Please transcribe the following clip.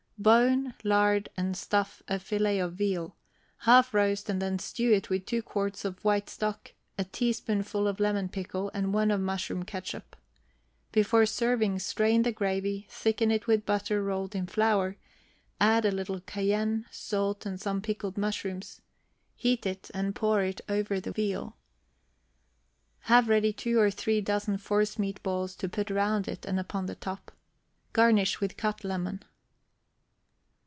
Bone, lard, and stuff a fillet of veal; half roast and then stew it with two quarts of white stock, a teaspoonful of lemon pickle, and one of mushroom ketchup. Before serving strain the gravy, thicken it with butter rolled in flour, add a little cayenne, salt, and some pickled mushrooms; heat it and pour it over the veal. Have ready two or three dozen forcemeat balls to put round it and upon the top. Garnish with cut lemon.